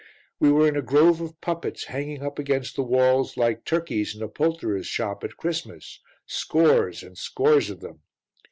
We were in a grove of puppets hanging up against the walls like turkeys in a poulterer's shop at Christmas scores and scores of them.